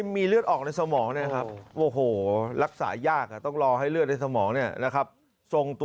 มีเลือดออกในสมองนะครับโอ้โหรักษายากต้องรอให้เลือดในสมอง